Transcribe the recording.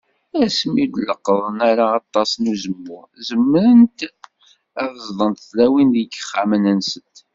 Asmi ur d-leqqḍen ara aṭas n uzemmur, zemrent ad t-zḍent tlawin deg yixxamen-nsent.